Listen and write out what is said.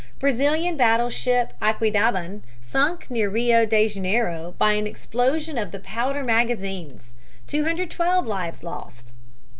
Brazilian battleship Aquidaban sunk near Rio Janeiro by an explosion of the powder magazines; 212 lives lost.